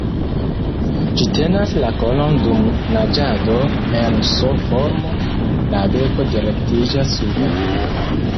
Ĝi tenas la kolon dum naĝado en S-formo, la beko direktiĝas suben.